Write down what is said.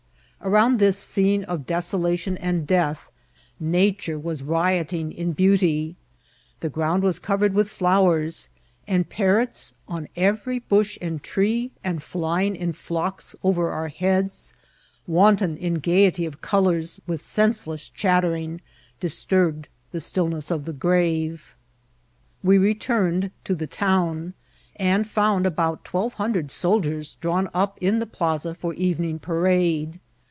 Around this scene of desolation and death nature was rioting in beauty ; the ground was covered with flowers, and par rots on every bush and tree, and flying in flocks over our heads, wanton in gayety of colours, with senseless chattering disturbed the stillness of the grave. We returned to the town, and found about twelve hundred soldiers drawn up in the plaza for evening parade.